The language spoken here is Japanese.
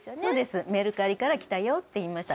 メルカリから来たよって言いました。